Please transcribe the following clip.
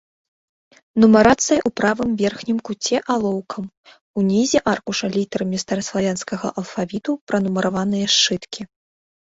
Нумарацыя ў правым верхнім куце алоўкам, ўнізе аркуша літарамі стараславянскага алфавіту пранумараваныя сшыткі.